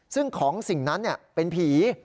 ซึ่งของสิ่งนั้นเป็นผี